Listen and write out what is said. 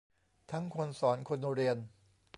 ทั้งคนสอนคนเรียน